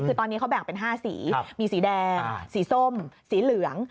คือตอนนี้เขาแบ่งเป็น๕สีมีสีแดงสีส้มสีเหลือง